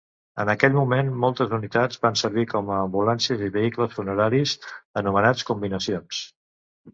En aquell moment, moltes unitats van servir com a ambulàncies i vehicles funeraris, anomenats combinacions.